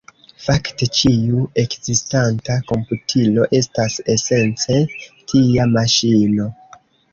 Fakte, ĉiu ekzistanta komputilo estas esence tia maŝino.